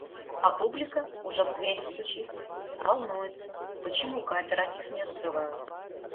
А публика уже в двери стучит, волнуется, почему кооператив не открывают.